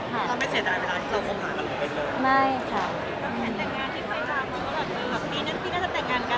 แล้วไม่เสียด้านหลานที่เราพอมีใครเจอไหม